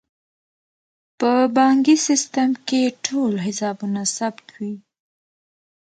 په بانکي سیستم کې ټول حسابونه ثبت وي.